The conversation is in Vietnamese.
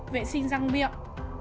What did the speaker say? ba vệ sinh răng miệng